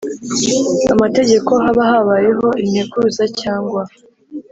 Amategeko haba habayeho integuza cyangwa